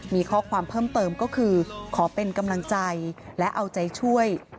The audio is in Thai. มีข้อความเพิ่มเติมก็คือขอเป็นกำลังใจและเอาใจช่วย